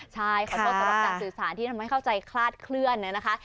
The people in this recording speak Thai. ใช่ขอโทษสำหรับการสื่อสารที่ทำให้เข้าใจคลาดเคลื่อนนะคะ